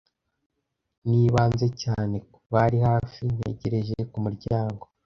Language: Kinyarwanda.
Nibanze cyane kubari hafi, ntegereje ku muryango.